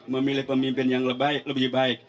memilih pemimpin yang lebih baik